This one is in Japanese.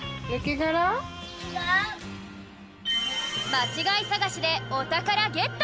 まちがいさがしでおたからゲット！